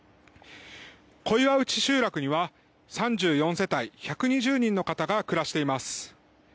小岩内集落には３４世帯１２０人の方が暮らしています。